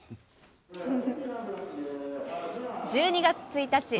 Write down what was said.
１２月１日。